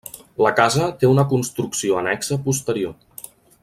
La casa té una construcció annexa posterior.